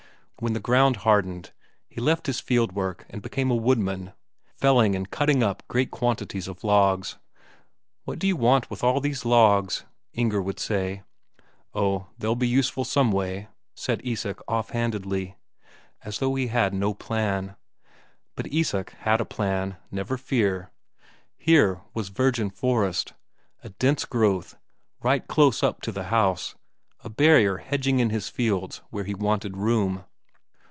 When the ground hardened, he left his field work and became a woodman, felling and cutting up great quantities of logs. "What do you want with all these logs?" Inger would say. "Oh, they'll be useful some way," said Isak off handedly, as though he had no plan. But Isak had a plan, never fear. Here was virgin forest, a dense growth, right close up to the house, a barrier hedging in his fields where he wanted room.